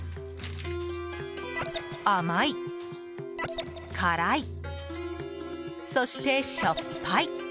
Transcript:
甘い、辛い、そしてしょっぱい。